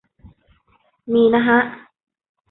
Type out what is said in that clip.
มีนะฮะ